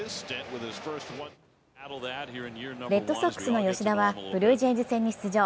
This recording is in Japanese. レッドソックスの吉田は、ブルージェイズ戦に出場。